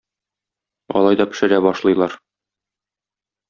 Алай да пешерә башлыйлар.